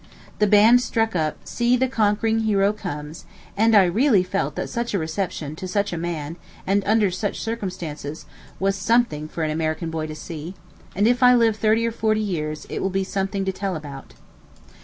The band struck up, "See, the conquering hero comes," and I really felt that such a reception to such a man, and under such circumstances, was something for an American boy to see; and, if I live thirty or forty years, it will be something to tell about.